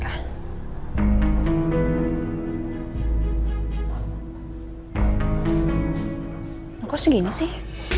kok segini sih